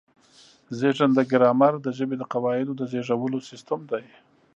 زېږنده ګرامر د ژبې د قواعدو د زېږولو سیستم دی.